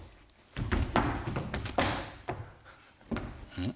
うん？